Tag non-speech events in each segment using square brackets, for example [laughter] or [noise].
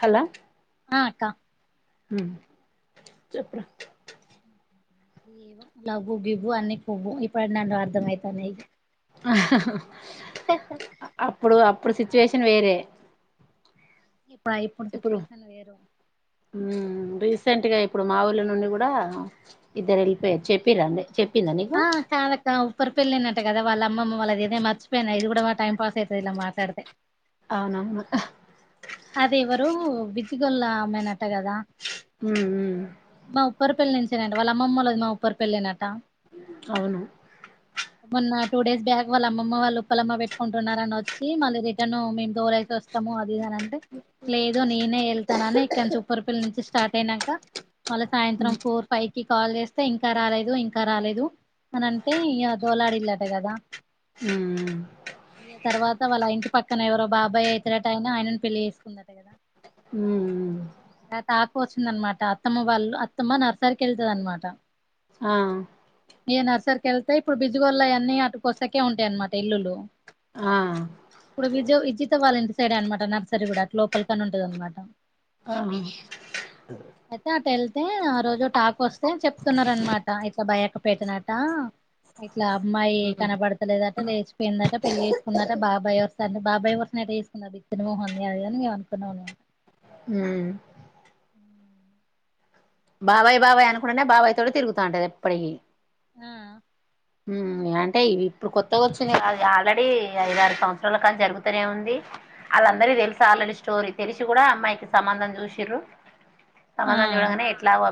Hello ఆ అక్కా చెప్పు రా లవ్వు గివ్వు అన్ని పువ్వు ఇప్పుడు నన్ను అర్థం అవుతాన్నయి అప్పుడు ఇప్పుడు సిట్యుయేషన్ వేరే ఇప్పుడా ఇప్పుడు సిట్యుయేషన్ వేరు రీసెంట్ గా ఇప్పుడు మా ఊళ్ళో నుండి కూడా ఇద్దరు వెళ్ళిపోయారు చెప్పి రండి చె ఆ కాదక్క ఉప్పురి పెళ్ళయిందట కదా వాళ్ళ అమ్మమ్మ మళ్ళ ఇదే మర్చిపోయాను ఇది కూడా బా టైం పాసయితది ఇలా మాట్లాడితే అవునవును అది ఎవరు విజిగల్ల ఆమేనట్ట కదా మా ఉప్పర పెళ్లిస్ డి వాళ్ళమ్మమ్మళ్ళోది ఉప్పరి పెళ్ళెనట అవును మొన్న టూ డేస్ బ్యాక్ వాళ్ళ అమ్మమ్మ వాళ్ళు ఉప్పలమ్మ పెట్టుకుంటున్నారని వచ్చి మళ్ళీ రిటర్న్ దోరైతే వస్తాము అది ఇది అని అంటే లేదు ననే హళ్తాననే చపరిపల్లి నుంచి స్టార్ట్ అయినాక మళ్ళ సాయంత్రం ఫోర్ ఫైవ్ కి కాల్ చేస్తే ఇంకా రాలేదు ఇంకా రాలేదు అని అంటే ఇ దోలాడిల్లట కదా అ తర్వాత వాళ్ళ ఇంటి పక్కన ఎవరో బాబాయ్య ఎ ఇరట అయినా ఆయనను పెళ్లి చేస్తారు కా ఉమ్ లేత ఆకు వచ్చిందనమాట అత్తమ్మ వాళ్ళు అత్తమ్మ నర్సరీకి వెళ్తుంది అనమాట ఆ ఏ నర్సరీకి వెళ్తే ఇప్పుడు బిజుగల్ళ అన్నీ అటుకొస్తాకే ఉంటాయి అనమాట ఇల్లులు ఆ ఇప్పుడు విజ విజిత వాళ్ళ ఇంటి సైడ్ అనమాట నర్సరీ కూడా లోపలికని ఉంటది అనమాట ఆ అయితే అటు వెళ్తే ఆ రోజు టాక్ వస్తే చెప్తున్నారు అనమాట ఇట్లా భయక పెట్టినట్ట ఇట్లా అమ్మాయి కనబడతలేదట లేచిపోయిందట పెళ్ళి వేసుకుందట బాబాయ్ వస్తంది బాబాయ్ వస్తు వసుకుా బిచ్చినమోహంది అ అనుకున్నా బాబాయి బాబాయ్ అకుంటనే బాబాయి తోటీ తరుగుతాంటది ఎప్పటికీ ఆ ఉమ్ అంటే ఇవి ఇప్పుడు కొత్త కొచ్చింది కాదు అది ఆల్రెడీ ఐదారు సంవత్సరాల కానుంచి జరుగుతనే ఉంది వాళ్ళందరికి తెలుసు ఆల్రెడీ స్టోరీ తెలిసి కూడా అమ్మాయికి సంబంధం చూశిన్రు ఆ సంబంధం చూడంగనే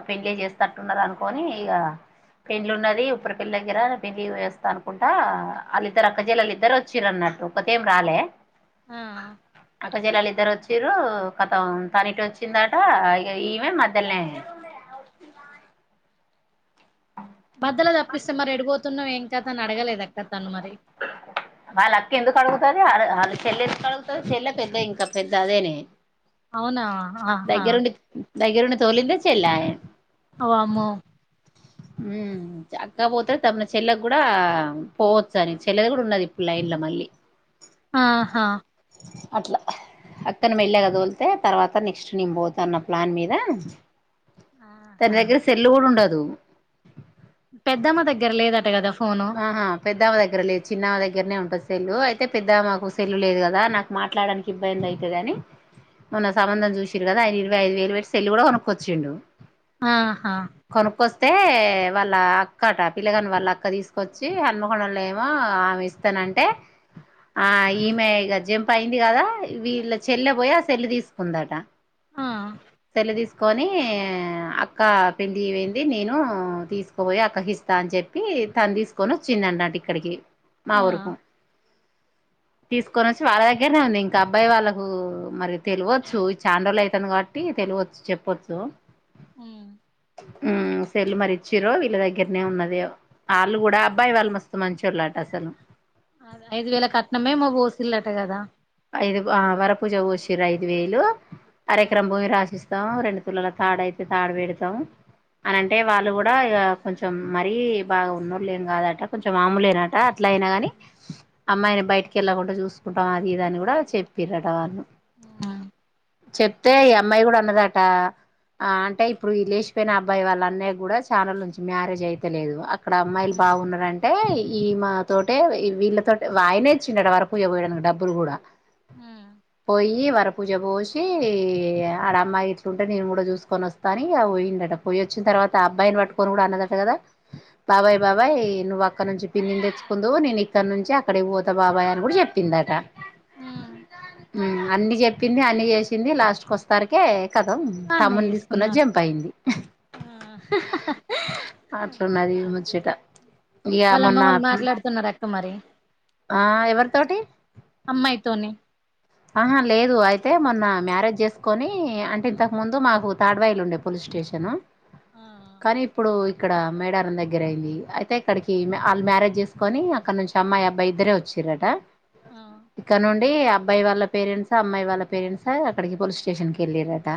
పెళ్లే చేస్తట్టున్నరు అనుకోని ఇగా పెళ్లి ఉన్నది ఇప్పురి పెళ్లి దగ్గర పెళ్లి చేస్తా అనుకుంటా వాళ్ళిద్దరు అక్కజలల్లు ఇద్దర్ వచ్చిరన్నట్టు ఒక్కతేం రాలే ఆ అక్కజల్లలు ఇద్దరు వచ్చింరూ కతం తనిటు వచ్చిందటా ఇగ ఈమె మధ్యల్నే మద్దెల తప్పిస్తే మరి ఎడుపోతున్నవే ఇంకా తనని అడగాలే కద అక్క తను మరి వాళ్ అక్క ఎందుకు అడుగుతది వాళ్ళ ఆళ్ల చెల్లెందుకు కడుగుతది చెల్లె పెద్ద ఇంక పెద్ద అదేనే అవునా ఆహా దగ్గరుండి దగ్గరుండి తోలిందే చెల్లాయే వామ్మో మ్మ్ అక్కపోతది తమ్మున చెల్లకు కూడా పోవచ్చు అని చెల్లెది కూడ ఉన్నది ఇప్పుడు లైన్ లో మళ్ళీ ఆహా అట్ల అక్కను మెల్లగ తోలితే తర్వాత నెక్స్ట్ నేను పోతాన్న ప్లాన్ మీదా తన ఆహా దగ్గర సెల్లూ కూడా ఉండదు దు పెద్దమ్మ దగ్గర లేదట కదా ఫోను ఆహా పెద్దామే దగ్గర లేదు చిన్నామే దగ్గరనే ఉం సెల్లు అయితే పెద్దమేకు సెల్లు లేదు కదా నాకు మాట్లాడానికి ఇబ్బంది అయితది అని మొన్న సంబంధం చూసిర్రు కదా ఆయన ఇరవై ఐదు వేలు పెట్టి సెల్లు కూడా కొనుక్కొచ్చిండు ఆహా స్తే వాళ్ళ అక్కట పిల్లగాని వాళ్ళ అక్క తీస్ తీసుకొచ్చి హన్మకొండల్నేమో ఆమె ఇస్తానంటే ఆ ఈమె ఇగ జంప్ అయింది కదా వీళ్ళ చెల్లె పోయి ఆ సెల్లు తీసుకుందట ఆ సెల్లు తీస్ కొనీ అక్కా పెండ్లికి పోయింది నేను తీసుకోబోయి అక్కకి ఇస్తా అని చెప్పీ తను తీసుకొని వచ్చింది అన్నట్టు ఇక్కడికి అ మా ఊరుకు తీసుకొని వచ్చి వాళ్ళ దగ్గరనే ఉంది ఇంకా అబ్బాయి వాళ్ళకూ మరి తెలవొచ్చు ఈ చాన్రోజులు అయితాంది కాబట్టి తెలివచ్చు చెప్పొచ్చు ఉమ్ ఉమ్ సెల్లు మరి ఇచ్చిర్రో వీళ్ళ దగ్గరనే ఉన్నదో వాళ్ళు కూడా అబ్బాయి వాళ్ళు మస్తు మంచోలటా అసలు ఐదు వేల కట్నమే ఏమో పోసిల్లట కదా ఐదు ఆ వరపూజ పోషిర్రు ఐదు వేలు అర ఆ ఎకరం భూమి రాసిస్ తం రెండు తులాల తాడయితే తాడు పెడతాం అని అంటే వాళ్ళు కూడా ఇగా కొంచెం మరీ బాగ ఉన్నోలేం కాదట కొంచెం మాములేనట అట్లా అయినాగాని అమ్మాయిని బయటికి వెళ్ళకుండ చూసుకుంటాం అ ఇదని కూడా చెప్పిర్రటా వాళ్ళు ఆ చెప్తే ఈ అమ్మాయి కూడ అన్నదటా ఆ అంటే ఇప్పుడు ఈ లేచిపోయిన అబ్బాయి వాళ్ళ అన్నయ కూడ చానా రోజుల్ నుంచి మ్యారేజ్ అయితలేదు అక్కడ అమ్మాయిలు ఉమ్, బాగున్నరంటే ఈ మా తోటే ఈ వీళ్ళతో ఆయనే ఇచ్చిండాట వరపూజ పోయడానికి డబ్ ప్పురుగూడ ఉమ్, పోయి వర పూజ పోసి చ్చి ఆడ అమ్మాయి ఇట్లుంటే నేను కూడా చూసుకొని వస్తా అని పోయిందట పోయి వచ్చిన తర్వాత ఆ అబ్బాయిని పట్టుకొని కూడా అన్నదట కదా బాబాయ్ బాబాయ్ నువ్వు అక్కడ నుంచి పిన్నిని తెచ్చుకుందువు నేను ఇక్కడ నుంచి అక్కడికి పోతా బాబాయ్ అని కూడా చెప్పిందట ఉమ్ అన్ని చెప్పింది అన్ని చేసింది లాస్ట్ క వస్తారకే కతం అన్నే తమ్మున్ని తీసుకున్నది చేసుకున్నాం జంప్ అయింది అట్లున్నది ముచ్చట్ త వాళ్ళ అమ్మ వాళ్ళు మాట్లాడుతున్నారక్క మరి ఆ ఎవరి తోటి అమ్మాయితోని ఆహా లేదు అయితే మొన్న మ్యారేజ్ చేసుకొని అంటే ఇంతకు ముందు మాకు తాడ్వాయిలుండే పోలీస్ స్టేషను ఆ కానీ ఇప్పుడు ఇక్కడ మేడారం దగ్గర అయింది అయితే ఇక్కడికి వాళ్ళు మ్యారేజ్ చేసుకొని అక్కడ నుంచి అమ్మాయి అబ్బాయి ఇద్దరే వచ్చిరట ఇక్క నుండి అబ్బా అబ్బాయి వాళ్ళ పేరెంట్స అమ్మాయి వాళ్ళ పేరెంట్స అక్కడికి పోలీస్ స్టేషన్ కకి వెళ్ళారట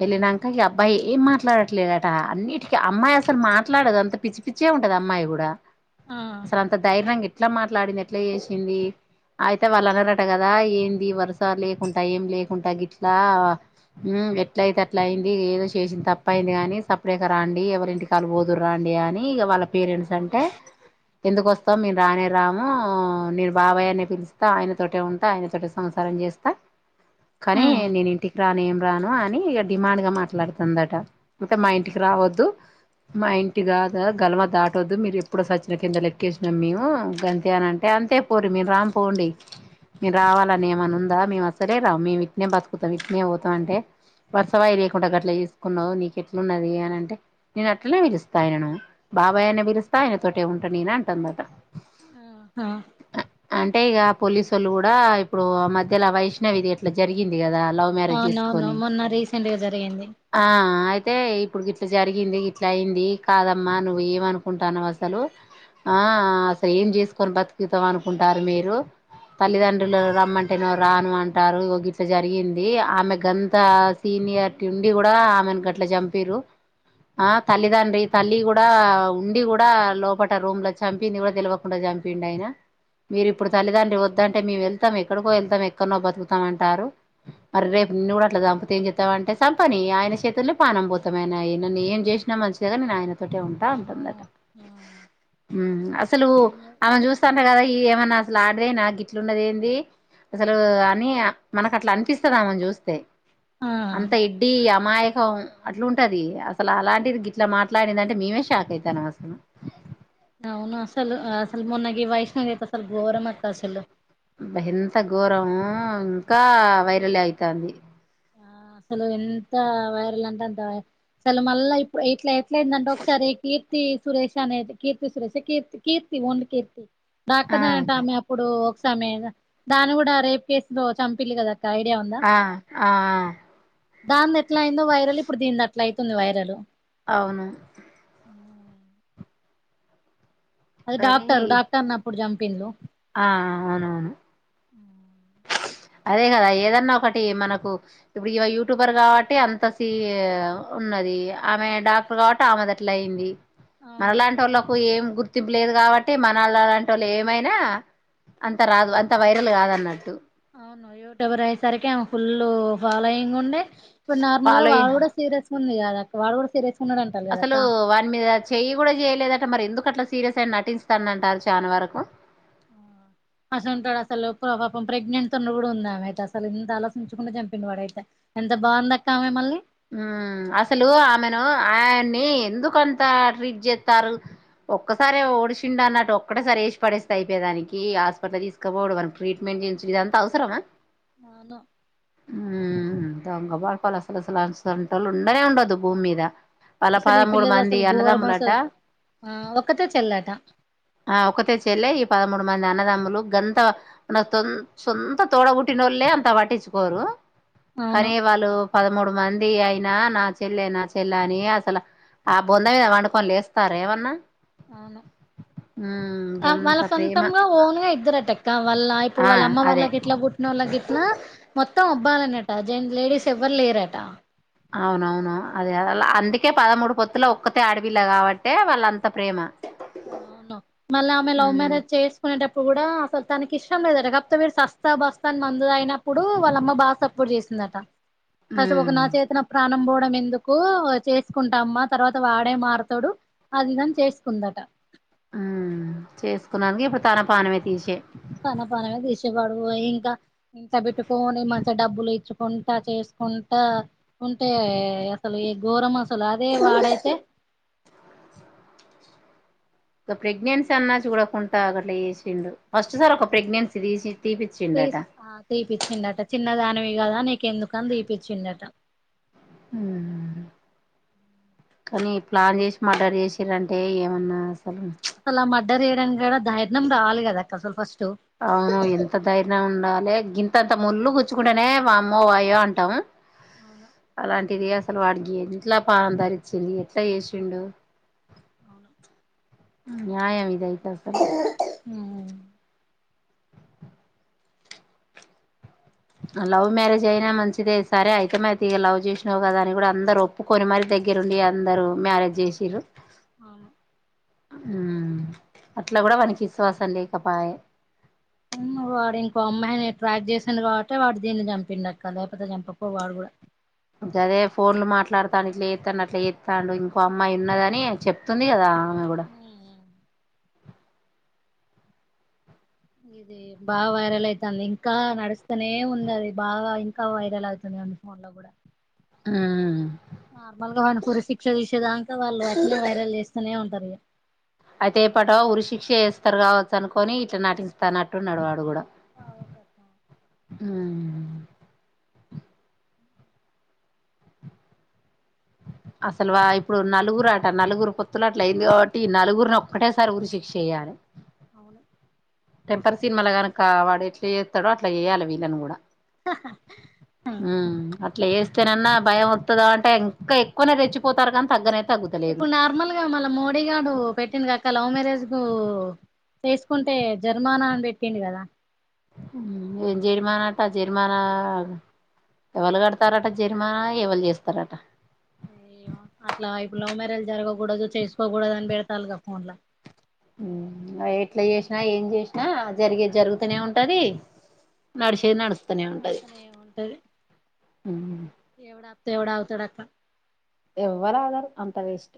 వెళ్ళాక ఈ అబ్బాయి ఏం మాట్లాడట్లేదట అన్నిటికి అమ్మాయి అసలు మాట్లాడదు అంత పిచ్చి పిచ్చే ఉంటది అమ్మాయి కూడా ఆ అసలు అంత ధైర్యంగా ఇట్ ఎట్లా మాట్లాడింది ఎట్లా చేసింది అయితే వాళ్ళ అనటగా కదా ఏంది వరుస లేకుంటడా ఏమి లేకుంటా గట్లా ఎట్ల అయితే అట్ల అయింది ఏదో చేసింది తప్ప అయింది కానీ సపరేట్గా రాండి ఎవరి ఇంటికిళ్ళ బోదురు రండి అని ఇక వాళ్ళ పేరెంట్స్ అంటే ఎందుకుొస్తా మేను రానే రాము నేను బాబాయ్ అనే పిలిస్తా ఆయన తట ఉంట ఆయనతోటి సంసారం చేస్తా కానీ నేను ఇంటికి రానేం రాను అని ఇక డిమాండ్ గా మాట్లాడుతుందట అంటే మా ఇంటికి ఆహా రావద్దు మా ఇంటి కాదు గలవా దాటవద్దు మీరు ఎప్పుడు సచ్చిన కింద లెక్కేసినాం మేము గంతే అని అంటే అంతే పోరు మీరు రామ్పోండి మీరు రావాలని ఏమన్నా ఉన్ మేము అసలే రావు మేము ఇట్నే బతుకుతాం ఇట్నే పోతాం అంటే వర్సవాయి లేకుండా అట్లా చేసుకున్నావు నీకు ఎట్లు ఉన్నది అని అంటే నేను అట్లనే పిలుస్తాయనను బాబాయ్ అనే పిలుస్తా ఆయనతోటే ఉంటా ననే అంటాందమాట ఆహా అంటే ఇగ పోలీసు సోల్లు కూడా ఇప్పుడు ఆ మధ్యలో వైష్ణవి ది అట్లా జరిగింది కదా లవ్ మ్యారేజ్ అవునవును చేసుకొని మొన్న రీసెంట్గా జరిగింది ఆ అయితే ఇప్పుడు గిట్ల జరిగింది ఇట్లా అయింది కాదమ్మా నువ్వు ఏమ అనుకుంటాన్నావ్ అసలు ఆ అసలు ఏం చేసుకొని బతుకుతావ్ అనుకుంటారు మీరు తల్లిదండ్రులు రమ్మంటే రాను అంటారు గట్లా జరిగింది ఆమె గంత సీనియర్టీ ఉండి కూడా ఆమెను గట్లా చంపిరు ఆ తల్లిదండ్రి తల్లి కూడా ఉండి కూడా లోపట రూమ్ లో చంపింది కూడా తేల్వకుండా చంపిండు ఆయన మీరి ఇప్పుడు అవును తల్లితన్ వద్దంటే మేము వెళ్తాం ఎక్కడికో వెళ్తాం ఎక్కనో బతుకుతాం అంటారు మరి రేపు నిన్న కూడా అట్ల చంపితే ఏం చెత్తవ్ అంటే సంపని ఆయన చేతుల్లో పానం భూతమైనయి నన్ను ఏం చేసినా మంచిదిగా నేను ఆయన తోటే ఉంటా వామ్మో ఉంటుందట ఆ మ్మ్ అసలు ఆమెను చూస్తాంటే కదా ఈ ఏమన్నా నా అస్సల్ [unintelligible] అరె నా గిట్లున్నది ఏంది అసలు అని మనకు అట్లా అనిపిస్తది ఆమెను చూస్తే ఆ అంత ఎడ్డి ఆ అమాయకం అట్లుంటది అసలు అలాంటిది గిట్లా మాట్లాడిందంటే మేమే షాక్ అయితానం అసలు అవును అసలు అసలు మొన్న గి వైష్ణవి అయితే గోరం అక్క అసలు బ ఎంత ఘోరము ఇంకా అయ్యో వైరల్ ఏ అయితాంది ఆ అసలు ఎంత వైరల్ అంటే అంత వైరల్ అసలు మళ్ళా ఇప్పుడు ఇట్లా ఇట్లెందంట ఒక్కసారి [unintelligible] కీర్తి సురేషానే కీర్తి సురేష కీర్తి కీర్తి ఒండ్లీ కీర్తి ఆ డాక్టర్ నేఅంట ఆమె అప్పుడు ఆమె దాని కూడా రేప్ కేసులో చంపిలి కదా ఐడియా ఆ ఆ దాన్ని ఎట్లా అయిందో వైరల్ ఇప్పుడు దీన్ని అట్ల అవుతుంది వైరల్ అవును అది కానీ డాక్టర్ డాక్టర్ అన్నప్పుడు జం పిల్లో ఆ అవునవును అదే కదా ఏదన్నా ఒకటి మనకు ఇప్పుడు యూట్యూబర్ కాబట్టి అంత సే ఉన్నది ఆమె డాక్టర్ కాబట్టి ఆమెద ఆట్లా అయింది. అవును మనలాంటి వాళ్ళలకు ఏం గుర్తు తప్పులేదు కాబట్టి మన వాళ్ళ అలాంటి వాళ్ళు ఏమైనా అంత రాదు అంత వైరల్ కాదన్నాడు. అవును యూట్యూబర్ అయేసరికి ఫుల్ ఫాలోయింగ్ ఉండే ఇప్పుడు నార్మల్ గా వాళ్ళు ఫాలోయింగ్ కూడా సీరియస్ గా ఉంది కదా వాడు కూడ సీరియస్ ఉన్నాడు అంటారు కదా అక్క అసలు వాని మీద చెయ్యి కూడా చెయలేదంటే మరి ఎందుకు అట్లా సీరియల్ అయిన నటిస్తాన అంటారు చాలా వరకు అసలు ఉంటాడు అసలు పాపం ప్రెగ్నెంట్ త ఉన్న కూడా ఉందామె అయితే అసలు ఎంత ఆలోచించకుండా చంపిన వాడు అయితే ఎంత బాగుంది అక్కామె మళ్ళీ అసలు ఆమెను ఆయన్ని ఎందుకుంత ట్రీట్ చేస్తారు ఒక్కసారి ఓడి సిండి అన్నట్టు ఒక్కేసారి వేసి పడేస్త అయిపోయేదానికి హాస్పిటల్ తీసుకపోడ మనకి ట్రీట్మెంట్ చేయి ఇదంతా అవసరమా అవును ఉమ్ దొంగ బడ్కవ్ ఇలాంటి సంటలు ఉండనే ఉండదు భూమి మీద వాళ్ళ అసలు ఈ పదమూడు పిల్లది మంది అసలు ఘోరం అన్నదమ్ములట అసలు ఆ ఒక్కతే చెల్లట ఆ ఒకట చెల్లే ఈ పదమ పదమూడు మంది అన్నదమ్ములు గంత తొంత సొంత తోడ పుట్టినళ్ళలే అంత పట్టించుకోరు కానీ అవును వాళ్ళు పద పద్మమూడు మంది అయినా నా చెల్లె నా చెల్లె అని అసలు ఆ బొంద మీద వండుకొని లేస్తారు ఏమన్నా అవును ఉమ్ వాళ్ళ గంత ప్రేమ సొంతంగా ఓన్గా ఇద్దరరు అటక్క వాళ్ళ ఇప్పుడు ఆ వాళ్ళ అమ్మ అదే వాళ్ళకి ఎట్లా పుట్టిన వాళ్ళకి మొత్తం అబ్బాయి లేన్నట జం లేడీస్ ఎవ్వరు లేరట అవునవును అదే అందుకే పదమూడు పొత్తుల ఒక్కతే ఆడపిల్ల కాబట్టే వాళ్ళ అంత ప్రేమ అవును మళ్ళీ ఆమె లవ్ ఉమ్ మ్యారేజ్ చేసుకునేటప్పుడు ఇప్పుడు కూడా అసలు తనకి ఇష్టం లేదట కాకపోతే మీరు సస్తా బస్తా అని మందు అయినప్పుడు వాళ్ళ అమ్మ బాగా సపోర్ట్ చేసిందట ఉమ్ నాచేత ఇ ప్రాణం బో ఎందుకు చేసుకుంటామ్మా తర్వాత వాడే మారుతాడు అదిదని చేసుకుందట ఉ చేసుకున్నా ఇప్పుడు తన పానమే తీసే తన పన తీసేవాడు ఇంకా ఇంత పెట్టుకని మంచిగా డబ్బులు ఇచ్చుకుంటా చేసుకుంటా ఉంటే అసలు ఈ ఘోరం అసలు అదే వాడైతే ఒక ప్రెగ్నెన్సీ అన్నా కూడా కొంటా అట్లా చేసిండు ఫస్ట్ సార్ ఒక ప్రెగ్నెన్సీ తీసి తీపిచ్చిండట వి కదా నీక ఎందుకని తీపించిండట కానీ ప్లాన్ చేసి మడ్దర్ చేసారంటే ఏమన్నా అసలు అసలు మడ్డర్ చేయడానికి దైర్యం కావాలి కాదక్కా అసలు ఫస్ట్ అవును ఎంత ధైర్యం ఉండాలి గి ంత ముళ్ళ కూచ్చుకుంటేనే వామ్మో వాయో అంటాం. అవును అలాంటిది యాద్ అసలు వాడికి ఇట్లా పానం ధరిచ్చింది ఎట్లా చేసిండు అవును న్యాయామ ఇదాయ్ పసలు లవ్ మ్యారేజ్ అయినా మంచిగా సరే అయితే మతి లవ్ చేసినావు కదా అని కూడా అందరు ఒప్పు కొని మరి దగ్గరు ఉండి అందరు మ్యారేజ్ చేసిండ్రు అవును హ్మ్ అట్లా కూడా వానికి విశ్వాసం లేకపాయ అవును వాడు ఇంకో అమ్మాయిని ట్రాప్ చేసిండు కాబట్టి వాడు దీన్ని చంపిండు అక్క లేకపోతే చంపకపొవ వాడు కూడా గాదే ఫోన్లు మాట్లాడతాను ఇట్లా చేత్తాండు అట్లా చేత్తాండు ఇంకో అమ్మాయి ఉన్నదని చెప్తుంది కదా ఆమె కూడా హ్మ్ ఉ ఇది బాగా వైరల్ అయితాంది ఇంకా నడుస్తూనే ఉంది అది బాగా ఇంకా వైరల్ అవుతుంది అన్ని ఫోన్ లో కూడా ఊ నార్మల్ గా వానికి ఉరి శిక్ష తీసేదాక వాళ్ళు అట్లె వైరల్ చేస్తూనే ఉంటారు ఇక అయితే ఇప్పుటొ ఉరి శిక్ష వస్తారు కావచ్చు అనుకొని ఇట్లా నటిస్తానట్టు నడివాడు కూడా అవును ఉమ్ అసలు వా ఇప్పుడు నలుగురు అంట నలుగురు పొత్తుల అట్లా అయింది కాబట్టి నలుగురిని ఒక్కటేసారి ఊరి శిక్ష వెయ్యాలి అవును టెంపర్ సినిమా లో గానుక వాడు ఎట్లా చేత్తాడొ అట్లా చేయాలి వీళ్ళని కూడా హహ అట్లా చేస్తేనన్నా భయం వత్తాదా అంటే ఇంకా ఇంకా రెచ్చిపోతారు కానీ తగ్గరె ఇప్పుడు నార్మల్ గా మళ్ళ మోడీ గాడు పెట్టిండు కదా అక్క లవ్ మ్యారేజ్ కు చేసుకుంటే జర్మానా అని పెట్టిడు కదా ఏం జరిమానాట జరిమానా ఎవలు కడతారట జరిమానా ఎవలు చేస్తారట అట్లా ఇప్పుడు లవ్ మ్యారేజ్ జరగకూడదు చేసుకోకూడదు అని పెడతారు ఇగ ఎట్లా చేసినా ఏం చేసినా జరిగేది జరుగుతూనే ఉంటది నడిసేది నడుస్తు మర్త్తనే ఏ ఉంటది ఎవడత ఎవడ [unintelligible] తొడక్ ఎవ్వరు ఆగరు అంత వేస్ట్